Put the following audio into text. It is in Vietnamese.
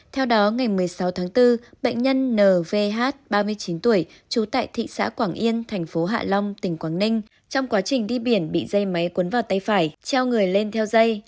theo đó ngày một mươi sáu tháng bốn bệnh nhân n vh ba mươi chín tuổi trú tại thị xã quảng yên thành phố hạ long tỉnh quảng ninh trong quá trình đi biển bị dây máy cuốn vào tay phải treo người lên theo dây